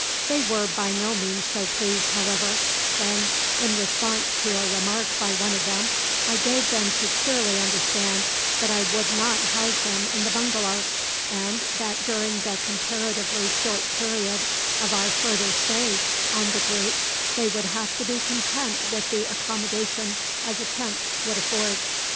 They were by no means so pleased, however, when, in response to a remark by one of them, I gave them to clearly understand that I would not house them in the bungalow, and that during the comparatively short period of our further stay on the group they would have to be content with such accommodation as a tent would afford.